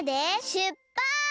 しゅっぱつ！